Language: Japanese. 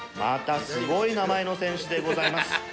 またすごい名前の選手でございます。